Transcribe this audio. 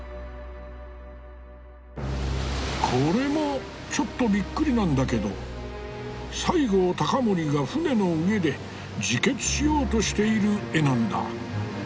これもちょっとびっくりなんだけど西郷隆盛が船の上で自決しようとしている絵なんだ。